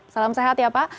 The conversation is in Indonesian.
salam sehat ya pak